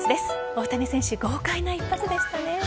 大谷選手、豪快な一発でしたね。